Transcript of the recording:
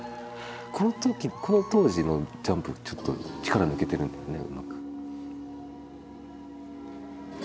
この時この当時のジャンプちょっと力抜けてるんだよねうまく。